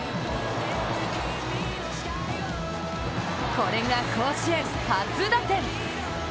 これが甲子園初打点！